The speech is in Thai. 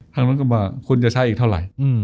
ทางนั้นก็ว่าคุณจะใช้อีกเท่าไหร่